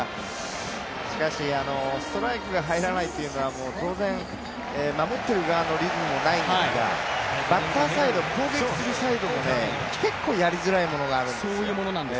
しかしストライクが入らないというのはもう当然、守ってる側のリズムもないんですがバッターサイド、攻撃するサイドも結構やりづらいものがあるんですよ。